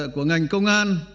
của ngành công an